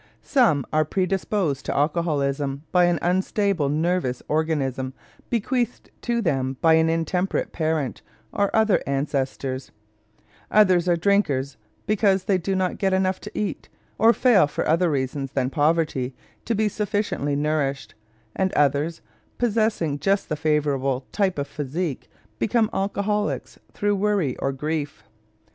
Some are predisposed to alcoholism by an unstable nervous organism bequeathed to them by intemperate parents or other ancestors; others are drinkers because they do not get enough to eat, or fail, for other reasons than poverty, to be sufficiently nourished; and others, possessing just the favorable type of physique, become alcoholics through worry or grief.